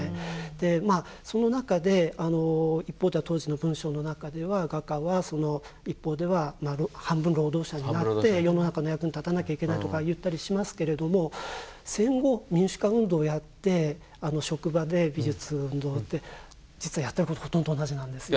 でまあその中で一方では当時の文章の中では画家はその一方では半分労働者になって世の中の役に立たなきゃいけないとか言ったりしますけれども戦後民主化運動をやって職場で美術運動って実はやってることほとんど同じなんですよ。